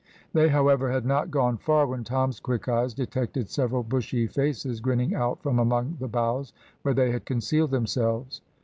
They, however, had not gone far, when Tom's quick eyes detected several bushy faces grinning out from among the boughs where they had concealed themselves.